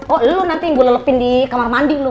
oh lu nanti gua lelepin di kamar mandi lu